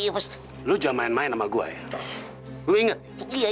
biar aku bawa buang apa